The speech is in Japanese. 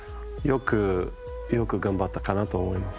よく頑張ったかなと思います。